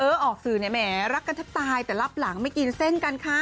ออกสื่อเนี่ยแหมรักกันแทบตายแต่รับหลังไม่กินเส้นกันค่ะ